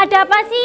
ada apa sih